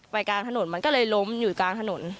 กลางถนนมันก็เลยล้มอยู่กลางถนน